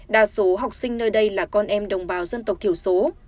đa số học sinh nơi đây là con em đồng bào dân tộc thiểu số